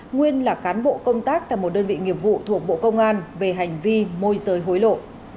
nguyên là cán bộ công tác tại một đơn vị nghiệp vụ thuộc bộ công an về hành vi môi giới hối lộ